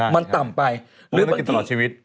มันต่ำไปหรือบางที